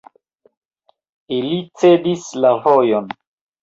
Ili cedis la vojon.